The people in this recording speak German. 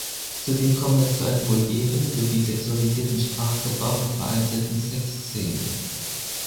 Zudem komme es zu einem vulgären sowie sexualisierten Sprachgebrauch und vereinzelten Sexszenen.